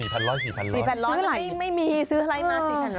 มันยังไม่มีซื้ออะไรมา๔๑๐๐